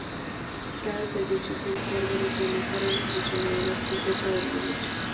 Cada servicio se encarga de implementar una funcionalidad completa del negocio.